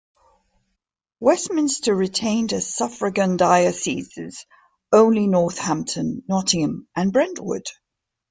Westminster retained as suffragan dioceses only Northampton, Nottingham and Brentwood.